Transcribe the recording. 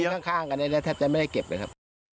ข้างกันเนี่ยแทบจะไม่ได้เก็บเลยครับ